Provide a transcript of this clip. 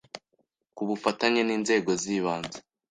ku bufatanye n’inzego z’ibanze